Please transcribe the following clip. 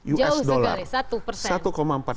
usd jauh sekali satu persen